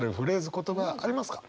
言葉ありますか？